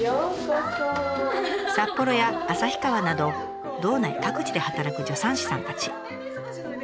札幌や旭川など道内各地で働く助産師さんたち。